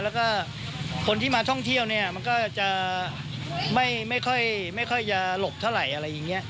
แล้วก็คนที่มาท่องเที่ยวเนี่ยมันก็จะไม่ค่อยจะหลบเท่าไหร่อะไรอย่างนี้